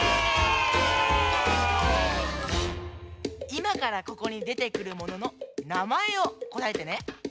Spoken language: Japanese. いまからここにでてくるもののなまえをこたえてね。